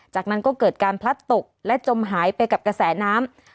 จากนั้นก็เกิดการพลัดตกและจมหายไปกับกระแสน้ำ